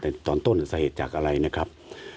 แต่ตอนต้นสาเหตุจากอะไรนะครับ